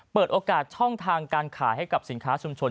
เปิดโอกาสช่องทางการขายให้กับสินค้าชุมชน